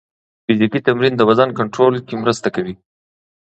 فزیکي تمرین د وزن کنټرول کې مرسته کوي.